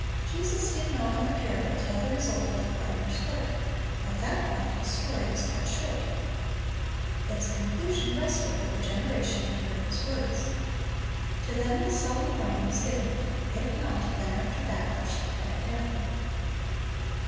Jesus did not in the parable tell the result of the gardener's work. At that point His story was cut short. Its conclusion rested with the generation that heard His words. To them the solemn warning was given, "If not, then after that thou shalt cut it down."